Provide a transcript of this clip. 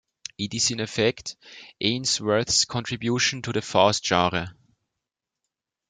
It is in effect Ainsworth's contribution to the Faust genre.